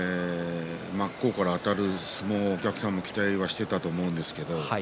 真っ向からあたる相撲をお客さんは期待していたと思うんです。